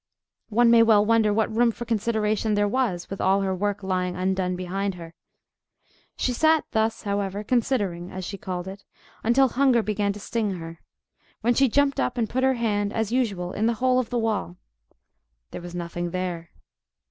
One may well wonder what room for consideration there was—with all her work lying undone behind her. She sat thus, however, considering, as she called it, until hunger began to sting her, when she jumped up and put her hand as usual in the hole of the wall: there was nothing there.